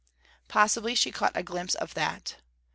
Possibly she caught a glimpse of that.